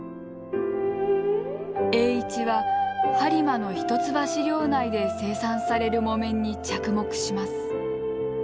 栄一は播磨の一橋領内で生産される木綿に着目します。